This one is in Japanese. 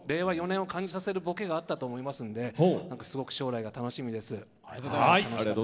４年を感じさせるボケがあったと思いますのですごく将来が楽しみです。